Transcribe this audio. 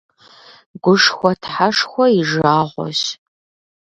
Гушхуэ тхьэшхуэ и жагъуэщ.